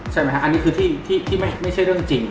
ใช่ไหมครับอันนี้คือที่ไม่ใช่เรื่องจริง